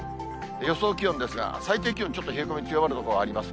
予想気温ですが、最低気温、ちょっと冷え込み強まる所あります。